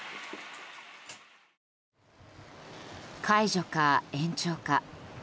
解除か、延長か。